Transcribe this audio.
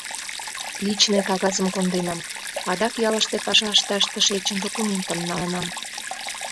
Личный кагазым конденам, адак ялыште паша ышташ тышечын документым налынам.